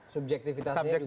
subjektivitasnya juga tinggi